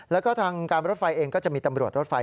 แล้วก็ทางการรถไฟเองก็จะมีตำรวจรถไฟ